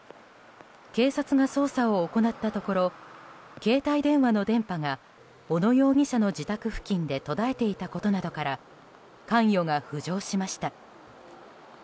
警察が捜査を行ったところ携帯電話の電波が小野容疑者の自宅付近で途絶えていたことなどから関与が浮上しました。